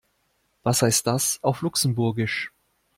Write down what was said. Was heißt das auf Luxemburgisch?